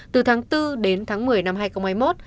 từ tháng bốn đến tháng một mươi năm hai nghìn hai mươi một